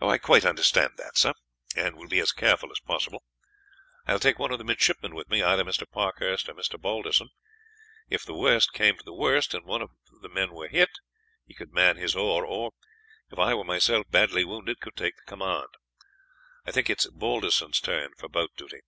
"I quite understand that, sir, and will be as careful as possible. I will take one of the midshipmen with me, either Mr. Parkhurst or Mr. Balderson; if the worst came to the worst and one of the men were hit, he could man his oar, or, if I were myself badly wounded, could take the command. I think it is Balderson's turn for boat duty."